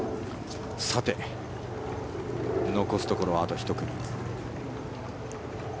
さて、残すところあと１組。